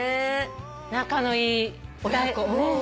仲のいい親子。